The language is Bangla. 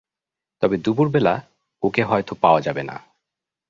তবে দুপুরবেলা ওকে হয়তো পাওয়া যাবে না।